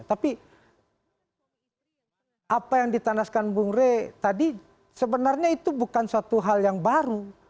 tapi apa yang ditandaskan bung rey tadi sebenarnya itu bukan suatu hal yang baru